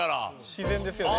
自然ですよね。